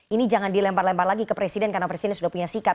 ini jangan dilempar lempar lagi ke presiden karena presiden sudah punya sikap